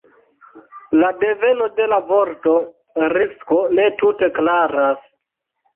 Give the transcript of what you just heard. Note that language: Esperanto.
La deveno de la vorto „risko“ ne tute klaras.